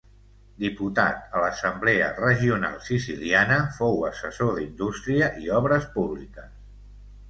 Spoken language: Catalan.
Diputat a l'Assemblea Regional Siciliana, fou assessor d'indústria i obres públiques.